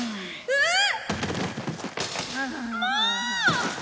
うん。